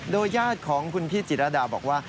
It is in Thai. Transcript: โดยญาติของคุณพี่จิรดาบอกว่า